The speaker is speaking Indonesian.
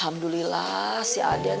alhamdulillah si aden pulang